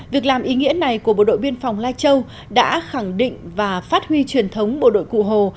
việc làm ý nghĩa này của bộ đội biên phòng lai châu đã khẳng định và phát huy truyền thống bộ đội cụ hồ